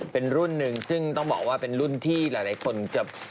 เป็นรุ่นหนึ่งซึ่งต้องบอกว่าเป็นรุ่นที่หลายคนจะ